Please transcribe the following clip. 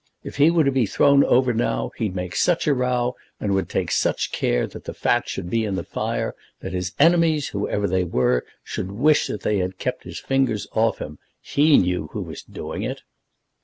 If he were to be thrown over now, he'd make such a row, and would take such care that the fat should be in the fire, that his enemies, whoever they were, should wish that they had kept their fingers off him. He knew who was doing it."